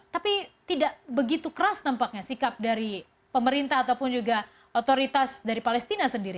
tapi tidak begitu keras nampaknya sikap dari pemerintah ataupun juga otoritas dari palestina sendiri